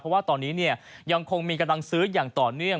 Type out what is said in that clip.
เพราะว่าตอนนี้ยังคงมีกำลังซื้ออย่างต่อเนื่อง